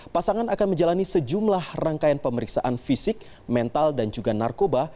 pasangan akan menjalani sejumlah rangkaian pemeriksaan fisik mental dan juga narkoba